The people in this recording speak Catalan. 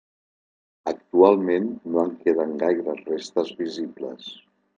Actualment no en queden gaires restes visibles.